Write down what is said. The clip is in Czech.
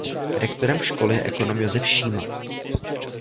Rektorem školy je ekonom Josef Šíma.